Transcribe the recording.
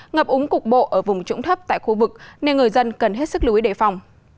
ngập úng cục bộ ở vùng trũng thấp tại khu vực nên người dân cần hết sức lưu ý đề phòng